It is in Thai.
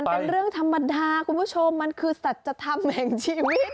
เป็นเรื่องธรรมดาคุณผู้ชมมันคือสัจธรรมแห่งชีวิต